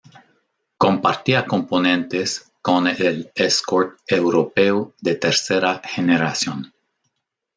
Compartía componentes con el Escort europeo de tercera generación.